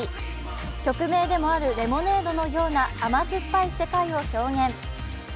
曲名でもある「ｌｅｍｏｎａｄｅ」のような甘酸っぱい世界を表現。